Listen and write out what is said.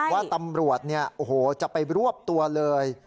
ว่าตำรวจเนี่ยโอ้โหจะไปรวบตัวเลย